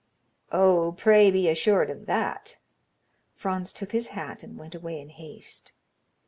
"Oh! pray be assured of that." Franz took his hat and went away in haste.